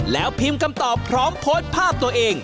แล้วพิมพ์คำตอบพร้อมโพสต์ภาพตัวเอง